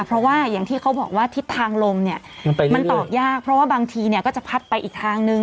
เพราะว่าอย่างที่เขาบอกว่าทิศทางลมเนี่ยมันตอบยากเพราะว่าบางทีเนี่ยก็จะพัดไปอีกทางนึง